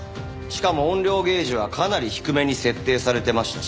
しかも音量ゲージはかなり低めに設定されてましたし。